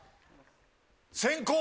先攻。